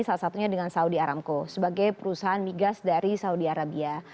salah satunya dengan saudi aramco sebagai perusahaan migas dari saudi arabia